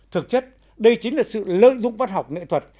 thực chất đây chính là sự lợi dụng văn học nghệ thuật